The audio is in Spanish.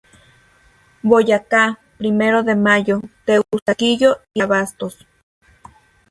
Boyacá, Primero de Mayo, Teusaquillo y Abastos.